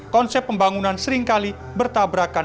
konsep pembangunan seringkali bertabrakan